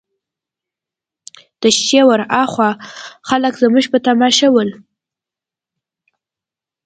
د شېشې ورهاخوا خلک زموږ په تماشه ول.